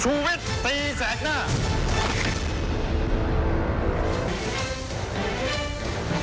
ชูวิทย์ตีแสกหน้า